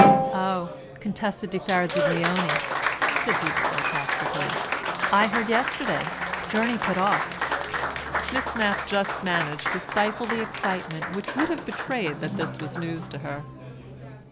"Oh, Contessa di Faradidleony," said Diva sarcastically. "I heard yesterday. Journey put off." Miss Mapp just managed to stifle the excitement which would have betrayed that this was news to her.